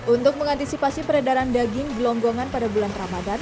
untuk mengantisipasi peredaran daging gelonggongan pada bulan ramadan